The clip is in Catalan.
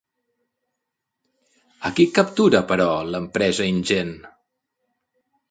A qui captura, però, l'empresa InGen?